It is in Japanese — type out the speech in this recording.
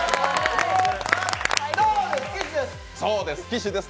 そうです、岸です！